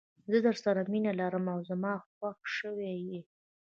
زه درسره مینه لرم او زما خوښه شوي یې.